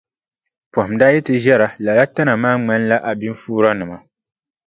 Pɔhim daa yi ti ʒɛra lala tana maa ŋmanila abinfuuranima.